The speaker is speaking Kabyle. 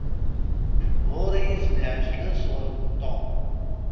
Ɣur-i izen iεeǧlen sɣur Tom.